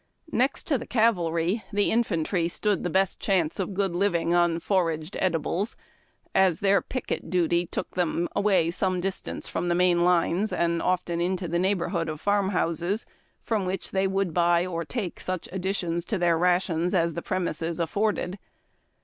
Next to the cavalry, the infantry stood the best chance of good living on foraged edibles, as their picket duty took them away some distance from the main lines and often into the neighborhood of farm houses, from which they would buy or take such additions to their rations as the premises afforded.